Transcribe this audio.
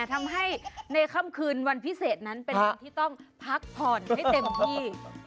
ทำให้ในค่ำคืนวันพิเศษนั้นเป็นวันที่ต้องพักผ่อนให้เต็มที่